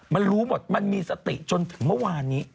มันรู้หมดมันมีสติจนถึงเมื่อวานนี้